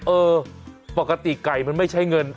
เออปกติไก่มันไม่ใช้เงิน